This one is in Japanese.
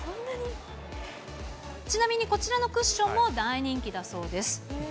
ちなみにこちらのクッションも大人気だそうです。